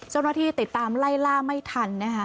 เจ้าหน้าที่ติดตามไล่ล่าไม่ทันนะคะ